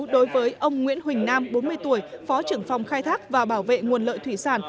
đối với ông nguyễn huỳnh nam bốn mươi tuổi phó trưởng phòng khai thác và bảo vệ nguồn lợi thủy sản